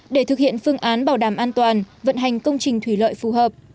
để thực hiện phương án bảo đảm an toàn vận hành công trình thủy lợi phù hợp